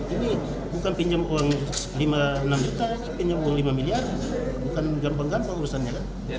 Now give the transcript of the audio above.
ini bukan pinjam uang lima miliar bukan gerbangkan urusannya